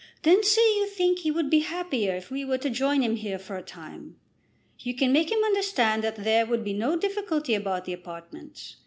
"Then say that you think he would be happier if we were to join him here for a time. You can make him understand that there would be no difficulty about the apartments.